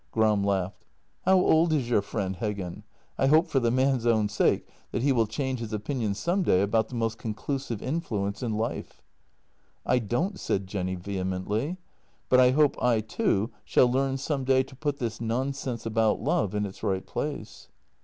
Gram laughed: " How old is your friend Heggen? I hope for the man's own sake that he will change his opinion some day about the most conclusive influence in life." " I don't," said Jenny vehemently, "but I hope I, too, shall learn some day to put this nonsense about love in its right place."